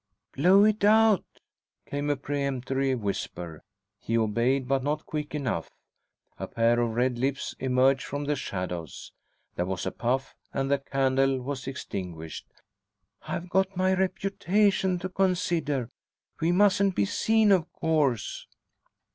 "Blow it out!" came a peremptory whisper. He obeyed, but not quick enough. A pair of red lips emerged from the shadows. There was a puff, and the candle was extinguished. "I've got my reputation to consider. We mustn't be seen, of course!"